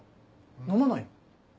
飲まないの？